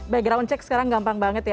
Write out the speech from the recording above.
background check sekarang gampang banget ya